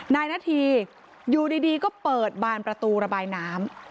นายนาธีอยู่ดีก็เปิดบานประตูระบายน้ำ